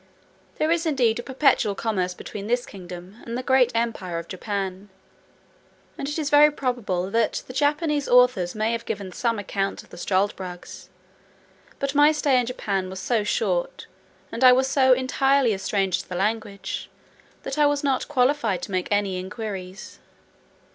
There is indeed a perpetual commerce between this kingdom and the great empire of Japan; and it is very probable, that the Japanese authors may have given some account of the struldbrugs; but my stay in Japan was so short, and I was so entirely a stranger to the language, that I was not qualified to make any inquiries.